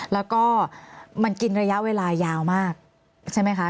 แล้วก็มันกินระยะเวลายาวมากใช่ไหมคะ